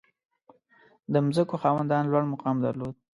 • د ځمکو خاوندان لوړ مقام درلود.